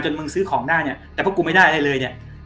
จนมึงซื้อของได้แต่เพราะกูไม่ได้อะไรเลย